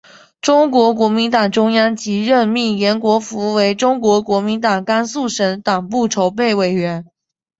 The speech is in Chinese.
中国国民党中央即任命延国符为中国国民党甘肃省党部筹备委员。